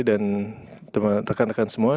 dan teman rekan semua